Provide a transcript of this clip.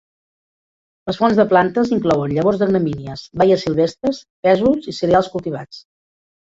Les fonts de plantes inclouen llavors de gramínies, baies silvestres, pèsols i cereals cultivats.